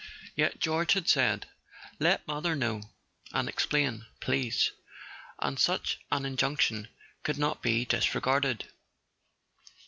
Yet George had said: "Let mother know, and explain, please;" and such an injunction could not be disregarded.